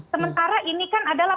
sementara ini kan adalah